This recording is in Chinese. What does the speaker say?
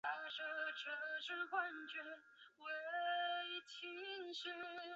松木宗显。